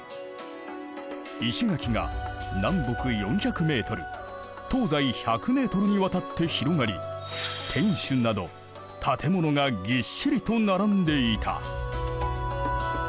石垣が南北４００メートル東西１００メートルにわたって広がり天守など建物がぎっしりと並んでいた。